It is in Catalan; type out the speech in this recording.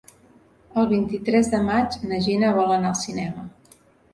El vint-i-tres de maig na Gina vol anar al cinema.